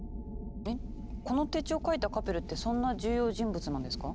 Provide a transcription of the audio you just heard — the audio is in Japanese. この手帳を書いたカペルってそんな重要人物なんですか？